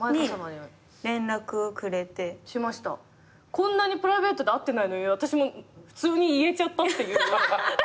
こんなにプライベートで会ってないのに私も普通に言えちゃったっていう。